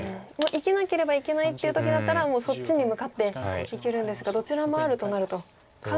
生きなければいけないっていう時だったらもうそっちに向かっていけるんですがどちらもあるとなると考えることが。